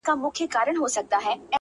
o هغې ويل په پوري هـديــره كي ښخ دى ،